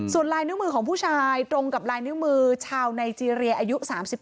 ส่วนลายนิ้วมือของผู้ชายตรงกับลายนิ้วมือชาวไนเจรียอายุ๓๒